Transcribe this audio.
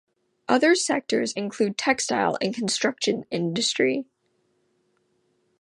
Other sectors include textile and construction industry.